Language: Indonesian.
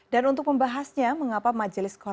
dan untuk pembahasnya mengapa majelis korupsional